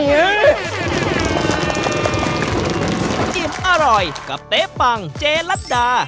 น้ำจิ้มอร่อยกับเต๊ปังเจลัดดา